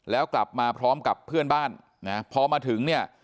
แล้วกลับมาพร้อมกับเพื่อนบ้านนะพอมาถึงเนี่ย